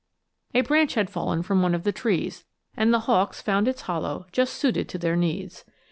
A branch had fallen from one of the trees, and the hawks found its hollow just suited to their needs.